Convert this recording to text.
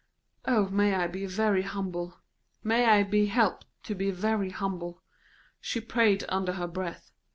"Oh, may I be very humble; may I be helped to be very humble!" she prayed under her breath.